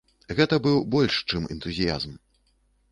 Гэта быў больш чым энтузіязм.